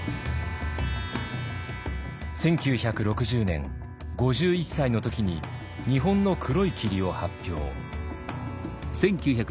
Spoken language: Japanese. １９６０年５１歳の時に「日本の黒い霧」を発表。